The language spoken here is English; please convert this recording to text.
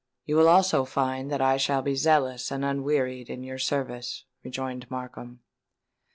"You will also find that I shall be zealous and unwearied in your service," rejoined Markham.